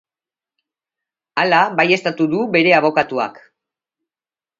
Hala baieztatu du bere abokatuak.